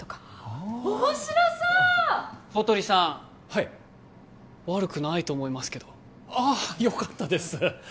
はい悪くないと思いますけどああよかったです